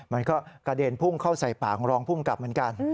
มันก็กระเด่นพุ่มเข้าใส่ปากรองพุ่มกลับเหมือนกัน